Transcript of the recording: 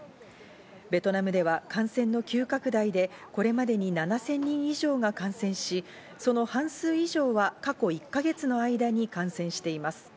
ベトナムでは感染の急拡大でこれまでに７０００人以上が感染し、その半数以上は過去１か月の間に感染しています。